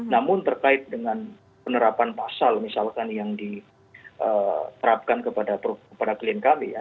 namun terkait dengan penerapan pasal misalkan yang diterapkan kepada klien kami ya